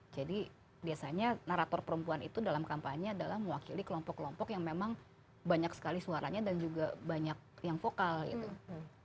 jadi biasanya narator perempuan itu dalam kampanye adalah mewakili kelompok kelompok yang memang banyak sekali suaranya dan juga banyak yang vokal gitu